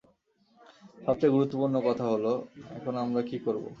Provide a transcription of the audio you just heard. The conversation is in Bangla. সবচেয়ে গুরুত্বপুর্ণ কথা হলো, এখন আমরা কী করবো?